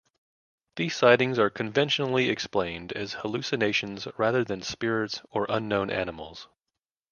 These sightings are conventionally explained as hallucinations rather than spirits or unknown animals.